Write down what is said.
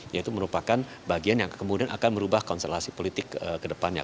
yaitu merupakan bagian yang kemudian akan merubah konstelasi politik ke depannya